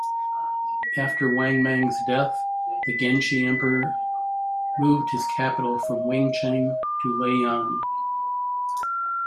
After Wang Mang's death, the Gengshi Emperor moved his capital from Wancheng to Luoyang.